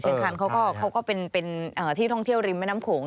คันเขาก็เป็นที่ท่องเที่ยวริมแม่น้ำโขง